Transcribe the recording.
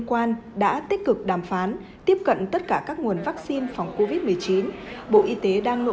quan đã tích cực đàm phán tiếp cận tất cả các nguồn vaccine phòng covid một mươi chín bộ y tế đang nỗ